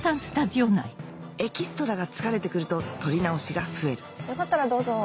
エキストラが疲れてくると撮り直しが増えるよかったらどうぞ。